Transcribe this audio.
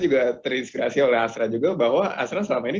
kita juga terinspirasi oleh astra juga